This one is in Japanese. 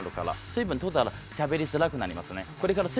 水分取ったらしゃべりづらくなりますね。